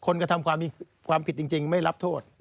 กระทำความผิดจริงไม่รับโทษ